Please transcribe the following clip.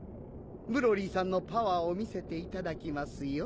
ブロリーさんのパワーを見せていただきますよ。